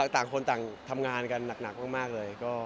ต่างคนต่างทำงานกันหนักมากเลย